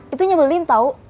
itu nyebelin tau